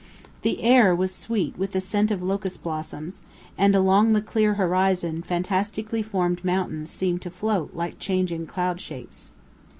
The air was sweet with the scent of locust blossoms, and along the clear horizon fantastically formed mountains seemed to float like changing cloud shapes.